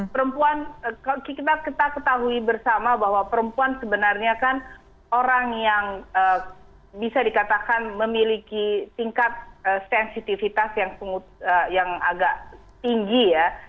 perempuan kita ketahui bersama bahwa perempuan sebenarnya kan orang yang bisa dikatakan memiliki tingkat sensitivitas yang agak tinggi ya